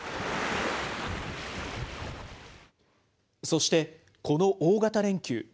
そして、この大型連休。